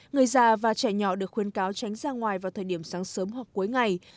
người già và trẻ nhỏ được khuyên cáo tránh ra ngoài vào thời điểm sáng sớm hoặc cuối ngày